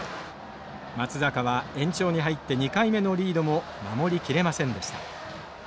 松坂は延長に入って２回目のリードも守りきれませんでした。